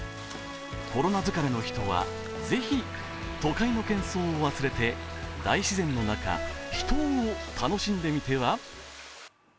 コロナ疲れの人はぜひ都会のけん騒を忘れて大自然の中、秘湯を楽しんでみては。